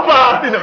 pacu buta pa